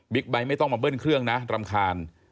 ไบท์ไม่ต้องมาเบิ้ลเครื่องนะรำคาญ